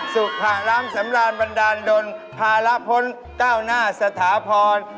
ขะล้ามสำราญบันดาลดลภาระพ้นก้าวหน้าสถาพร